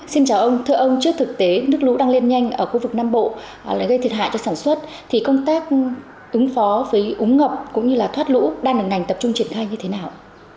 xin chào ông thưa ông trước thực tế nước lũ đang lên nhanh ở khu vực nam bộ lại gây thiệt hại cho sản xuất thì công tác ứng phó với úng ngập cũng như là thoát lũ đang được ngành tập trung triển khai như thế nào